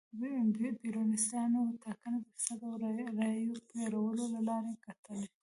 پېرونیستانو ټاکنې د فساد او رایو پېرلو له لارې ګټلې.